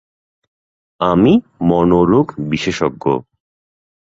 আমি মনোরোগ বিশেষজ্ঞ।